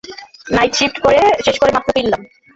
Night shift শেষ করে মাত্র ফিরলাম!